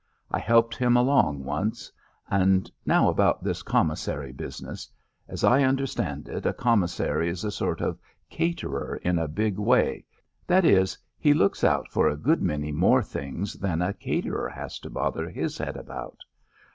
I helped him along once. And now about this commissary business. As I understand it, a Commissary is a sort of caterer in a big way that is, he looks out for a good many more things than a caterer has to bother his head about.